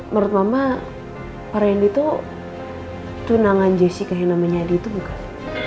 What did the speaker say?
menurut mama pak rendy tuh tunangan jessica yang namanya adi itu bukan